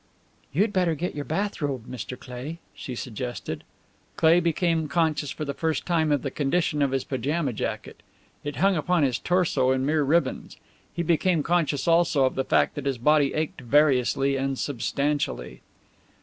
"You'd better get your bathrobe, Mr. Cleigh," she suggested. Cleigh became conscious for the first time of the condition of his pyjama jacket. It hung upon his torso in mere ribbons. He became conscious also of the fact that his body ached variously and substantially.